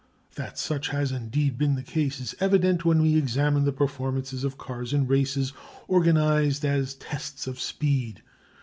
That such has indeed been the case is evident when we examine the performances of cars in races organised as tests of speed.